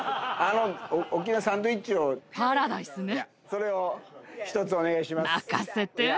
それを１つお願いします。